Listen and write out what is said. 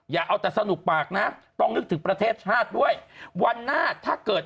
อย่าเอาแต่สนุกปากนะต้องนึกถึงประเทศชาติด้วยวันหน้าถ้าเกิด